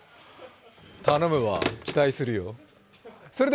頼むわ、期待するよ。